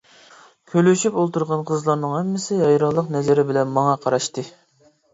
كۈلۈشۈپ ئولتۇرغان قىزلارنىڭ ھەممىسى ھەيرانلىق نەزىرى بىلەن ماڭا قاراشتى.